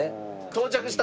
到着した？